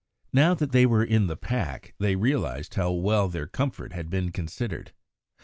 Now that they were in the pack, they realised how well their comfort had been considered.